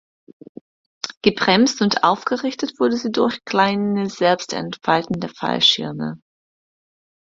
Gebremst und aufgerichtet wurde sie durch kleine selbst entfaltende Fallschirme.